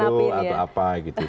ya mungkin lalu atau apa gitu